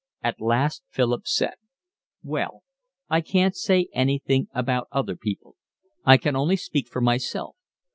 At last Philip said: "Well, I can't say anything about other people. I can only speak for myself.